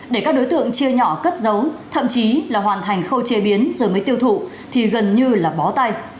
để các đối tượng chia nhỏ cất giấu thậm chí là hoàn thành khâu chế biến rồi mới tiêu thụ thì gần như là bó tay